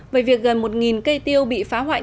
về việc gần một cây tiêu bị phá hoại